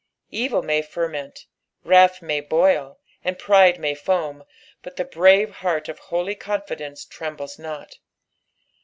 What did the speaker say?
Evil may ferment, wrath may boil, and pride may foam, but the brave heart of holy confidence trembles not.